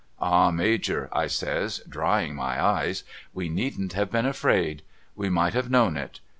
' Ah ALajor ' I says drying my eyes, ' we needn't have been afraid. We might have known it.